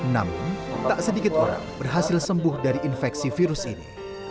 namun tak sedikit orang berhasil sembuh dari infeksi virus ini